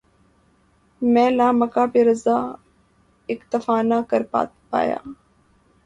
مَیں لامکاں پہ رضاؔ ، اکتفا نہ کر پایا